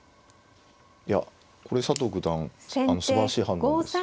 いやこれ佐藤九段すばらしい判断です。